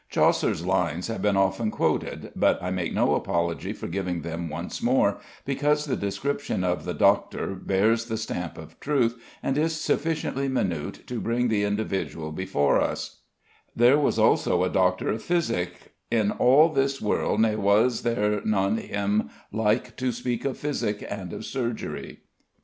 Chaucer's lines have been often quoted, but I make no apology for giving them once more, because the description of the "doctour" bears the stamp of truth and is sufficiently minute to bring the individual before us: "There was also a Doctour of Phisik, In al this world ne was ther non him lyk To speke of Phisic and of Surgerye."